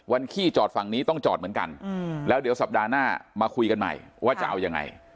ขี้จอดฝั่งนี้ต้องจอดเหมือนกันแล้วเดี๋ยวสัปดาห์หน้ามาคุยกันใหม่ว่าจะเอายังไง